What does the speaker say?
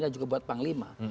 dan juga buat panglima